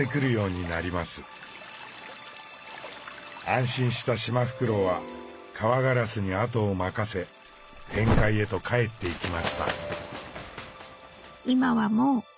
安心したシマフクロウはカワガラスに後を任せ天界へと帰っていきました。